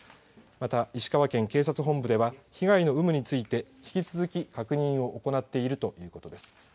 また、石川県警察本部では被害の有無について引き続き確認を行っているということです。